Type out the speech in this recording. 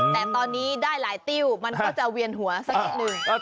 แต่ตอนนี้ได้หลายติ้วมันก็จะเวียนหัวสักนิดนึง